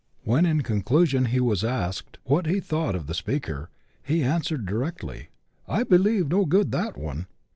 When, in conclusion, he was asked what he thought of the speaker, he answered di rectly, " I believe no good that one."